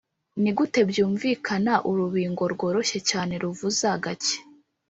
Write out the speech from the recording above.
nigute byumvikana urubingo rworoshye cyane ruvuza gake,